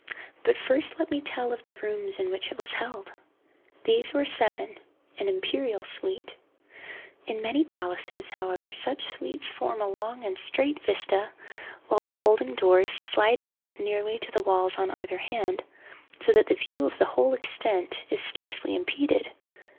But first let me tell of the rooms in which it was held. These were seven—an imperial suite. In many palaces, however, such suites form a long and straight vista, while the folding doors slide back nearly to the walls on either hand, so that the view of the whole extent is scarcely impeded.